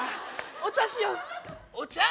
お茶しようお茶。